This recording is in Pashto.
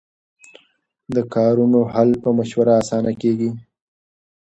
د کارونو حل په مشوره کې اسانه کېږي.